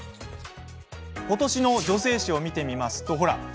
ことしの女性誌を見てみますと、ほら。